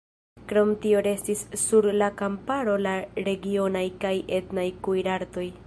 Krom tio restis sur la kamparo la regionaj kaj etnaj kuirartoj.